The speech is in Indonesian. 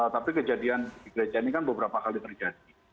tapi kejadian di gereja ini kan beberapa kali terjadi